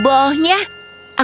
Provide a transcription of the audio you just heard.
kau akan menangkapku fluff